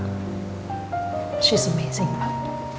dia luar biasa pak